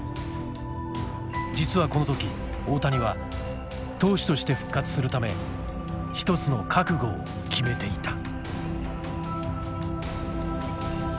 実はこの時大谷は投手として復活するため一つの覚悟を決めていた。